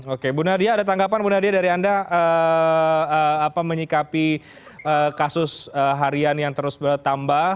oke bu nadia ada tanggapan bu nadia dari anda menyikapi kasus harian yang terus bertambah